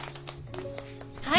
はい。